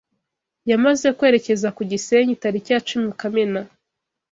yamaze kwerekeza ku Gisenyi tariki ya cumi Kamena